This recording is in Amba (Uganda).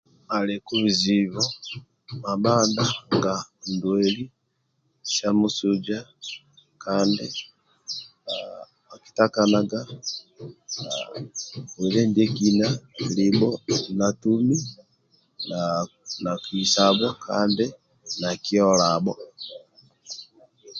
Aliku.bizibu mamadha nga ndwali sa musuija kandi okutakanaga bwile ndiekina linho natumi nakisabho kandi nakiolabho